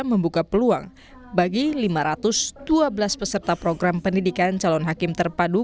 membuka peluang bagi lima ratus dua belas peserta program pendidikan calon hakim terpadu